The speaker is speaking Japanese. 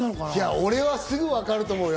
これは、すぐ分かると思うよ。